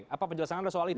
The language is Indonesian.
apa penjelasan anda soal itu